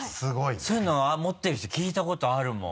そういうの持ってる人聞いたことあるもん。